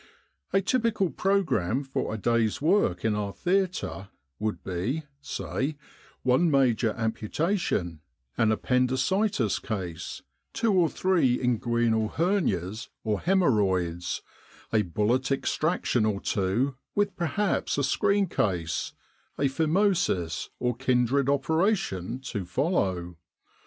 A typical programme for a day's work in our theatre would be, say, one major amputation, an appendicitis case, two or three inguinal hernias or haemorrhoids, a bullet extraction or two, with perhaps a screen case a phimosis or kindred operation to follow.